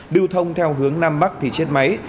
đưu thông theo hướng nam bắc thì chết máy